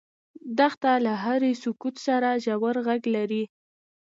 دښته له هرې سکوت سره ژور غږ لري.